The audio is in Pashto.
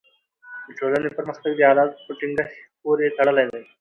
د ټولني پرمختګ د عدالت په ټینګښت پوری تړلی دی.